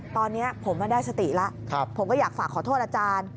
ตอนนี้ผมได้สติแล้วผมก็อยากฝากขอโทษอาจารย์